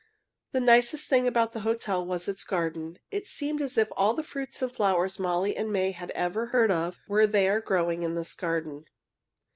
The nicest thing about the hotel was its garden. It seemed as if all the fruits and flowers Molly and May had ever heard of were growing in this garden.